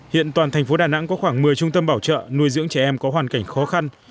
hiện toàn thành phố đà nẵng có khoảng một mươi trung tâm bảo trợ nuôi dưỡng trẻ em có hoàn cảnh khó khăn